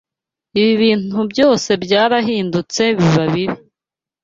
ibintu byose byarahindutse biba bibi